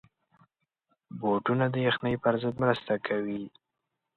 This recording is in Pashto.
بوټونه د یخنۍ پر ضد مرسته کوي.